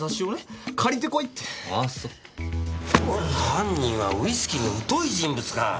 犯人はウイスキーに疎い人物か！